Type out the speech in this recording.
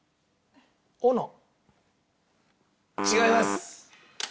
違います。